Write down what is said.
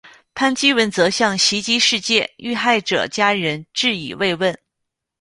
潘基文则向袭击事件遇害者家人致以慰问。